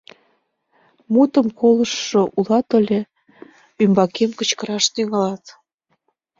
Мутым колыштшо улат але ӱмбакем кычкыраш тӱҥалат?